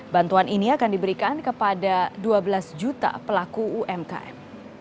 bantuan ini akan diberikan kepada dua belas juta pelaku umkm